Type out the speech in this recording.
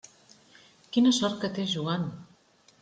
Quina sort que té Joan!